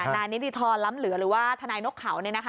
นายนิติธรล้ำเหลือหรือว่าทนายนกเขา